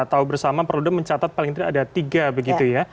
kita tahu bersama perludem mencatat paling tidak ada tiga begitu ya